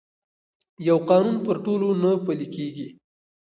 یو قانون پر ټولو نه پلي کېږي.